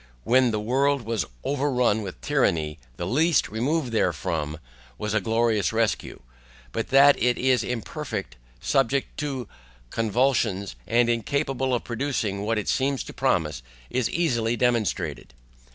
When the world was over run with tyranny the least remove therefrom was a glorious rescue. But that it is imperfect, subject to convulsions, and incapable of producing what it seems to promise, is easily demonstrated.